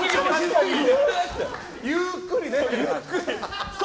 ゆーっくりね。